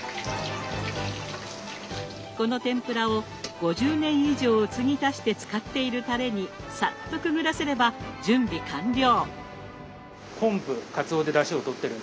この天ぷらを５０年以上継ぎ足して使っているたれにさっとくぐらせれば準備完了。